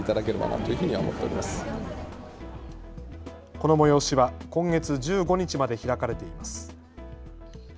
この催しは今月１５日まで開かれています。